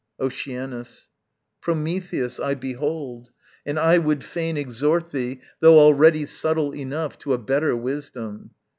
Oceanus. Prometheus, I behold: and I would fain Exhort thee, though already subtle enough, To a better wisdom.